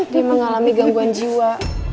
dia mengalami gangguan jiwa